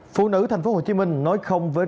phụ nữ tp hcm nói không với rãi